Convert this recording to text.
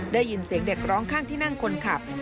ได้ยินเสียงเด็กร้องข้างที่นั่งคนขับ